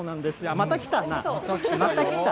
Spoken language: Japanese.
また来たなぁ。